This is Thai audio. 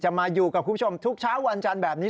มาอยู่กับคุณผู้ชมทุกเช้าวันจันทร์แบบนี้